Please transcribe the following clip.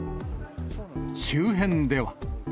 周辺では。